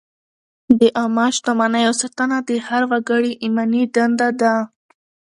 د عامه شتمنیو ساتنه د هر وګړي ایماني دنده ده.